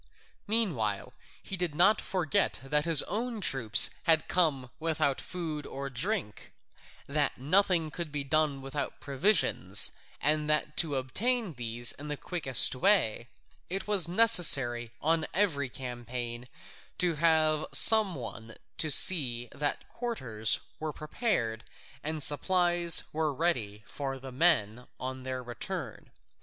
Meanwhile he did not forget that his own troops had come without food or drink, that nothing could be done without provisions, and that to obtain these in the quickest way, it was necessary on every campaign to have some one to see that quarters were prepared and supplies ready for the men on their return.